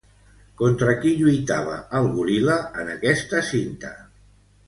Contra qui lluitava el goril·la en aquesta cinta?